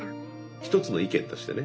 一つの意見としてね。